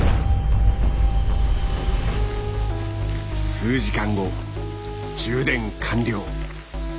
数時間後充電完了。